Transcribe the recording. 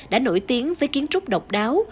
đã nổi tiếng với kiến trúc độc đáo